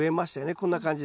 こんな感じで。